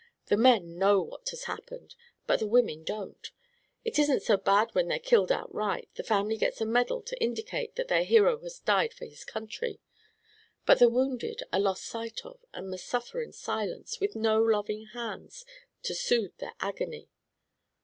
The men know what has happened, but the women don't. It isn't so bad when they're killed outright; the family gets a medal to indicate that their hero has died for his country. But the wounded are lost sight of and must suffer in silence, with no loving hands to soothe their agony."